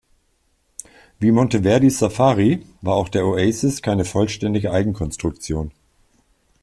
Wie Monteverdis Safari, war auch der Oasis keine vollständige Eigenkonstruktion.